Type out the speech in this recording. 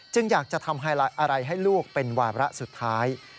อยากจะทำอะไรให้ลูกเป็นวาระสุดท้าย